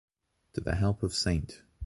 to the help of St.